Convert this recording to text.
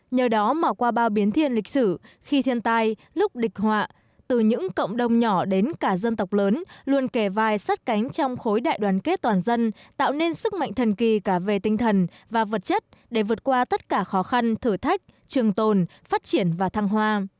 nhờ đó mà qua bao biến thiên lịch sử khi thiên tai lúc địch họa từ những cộng đồng nhỏ đến cả dân tộc lớn luôn kề vai sắt cánh trong khối đại đoàn kết toàn dân tạo nên sức mạnh thần kỳ cả về tinh thần và vật chất để vượt qua tất cả khó khăn thử thách trường tồn phát triển và thăng hoa